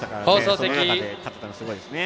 その中で勝てたのはすごいですね。